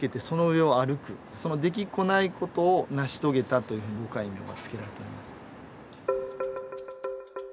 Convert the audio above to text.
そのできっこないことを成し遂げたというふうにご戒名は付けられております。